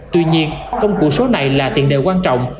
tuy nhiên công cụ số này là tiền đề quan trọng